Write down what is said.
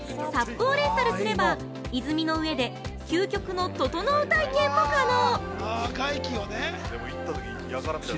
ＳＵＰをレンタルすれば、泉の上で究極の「ととのう」体験も可能！